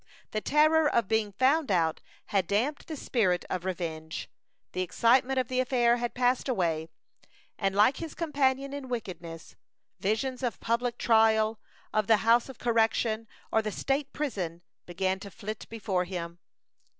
The terror of being found out had damped the spirit of revenge. The excitement of the affair had passed away, and like his companion in wickedness, visions of public trial, of the house of correction, or the state prison, began to flit before him.